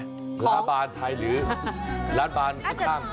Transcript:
หรือล้านบานไทยหรือล้านบานทาง